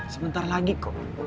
sebentar lagi kok